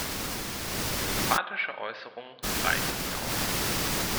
Sympathische Äußerungen reichen nicht aus.